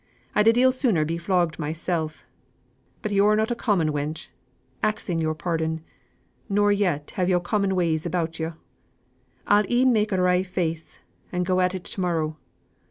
I'd a deal sooner be flogged mysel'; but yo're not a common wench, axing yo'r pardon, nor yet have yo' common ways about yo'. I'll e'en make a wry face, and go at it to morrow.